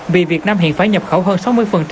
vì việt nam hiện phải nhập khẩu hơn sáu mươi